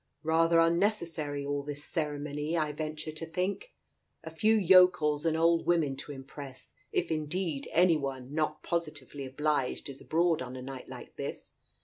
Rather unnecessary, all this ceremony, I venture to think ! A few yokels and old women to impress, if indeed, any one not positively obliged is abroad on a night like this